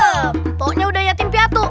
nimpolnya udah yatim piatu